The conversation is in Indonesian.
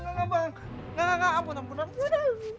nggak bang ampun ampun ampun